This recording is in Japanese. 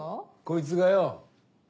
こいつがよ